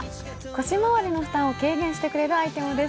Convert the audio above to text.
腰回りの負担を軽減してくれるアイテムです。